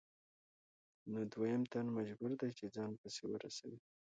نو دویم تن مجبور دی چې ځان پسې ورسوي